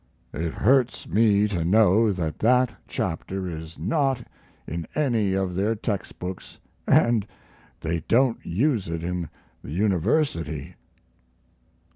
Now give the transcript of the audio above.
It hurts me to know that that chapter is not in any of their text books and they don't use it in the university.